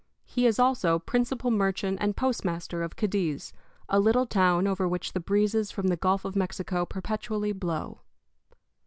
He is also principal merchant and postmaster of Cadiz, a little town over which the breezes from the Gulf of Mexico perpetually blow.